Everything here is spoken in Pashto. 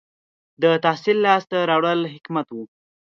• د تحصیل لاسته راوړل حکمت و.